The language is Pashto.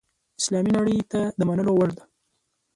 اسلامي نړۍ ته د منلو وړ ده.